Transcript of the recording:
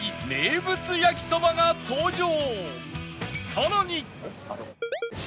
さらに